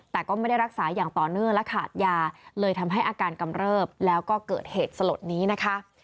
แต่ก็ไม่ได้รักษาอย่างต่อเนื่องและขาดยาเลยทำให้อาการกำเริบแล้วก็เกิดเหตุสลดนี้นะคะ